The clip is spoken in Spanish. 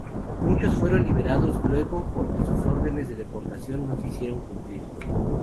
Muchos fueron liberados luego porque sus órdenes de deportación no se hicieron cumplir.